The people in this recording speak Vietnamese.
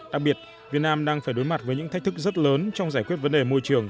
đặc biệt việt nam đang phải đối mặt với những thách thức rất lớn trong giải quyết vấn đề môi trường